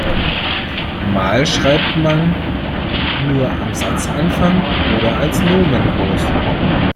Mal schreibt man nur am Satzanfang oder als Nomen groß.